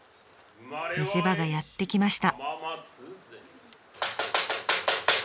見せ場がやって来ました。